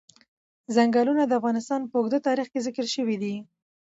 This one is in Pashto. ځنګلونه د افغانستان په اوږده تاریخ کې ذکر شوی دی.